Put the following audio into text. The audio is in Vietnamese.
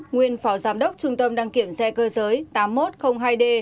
nguyên phó giám đốc trung tâm đăng kiểm xe cơ giới tám nghìn một trăm linh hai d